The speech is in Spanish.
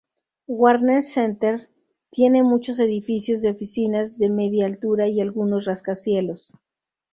Warner Center tiene muchos edificios de oficinas de media altura y algunos rascacielos.